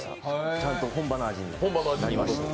ちゃんと本場の味になりました。